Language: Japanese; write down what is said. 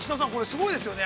すごいですよね。